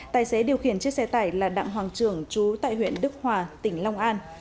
tài xế điều khiển chiếc xe tải là đặng hoàng trưởng chú tại huyện đức hòa tỉnh long an